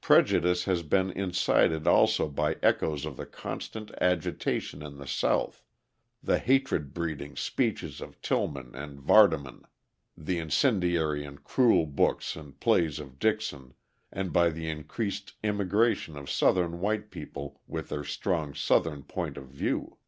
Prejudice has been incited also by echoes of the constant agitation in the South, the hatred breeding speeches of Tillman and Vardaman, the incendiary and cruel books and plays of Dixon, and by the increased immigration of Southern white people with their strong Southern point of view.